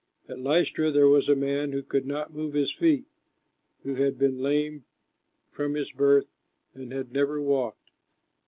At Lystra there was a man who could not move his feet, who had been lame from his birth and had never walked.